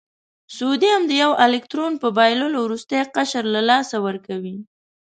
سوډیم د یو الکترون په بایللو وروستی قشر له لاسه ورکوي.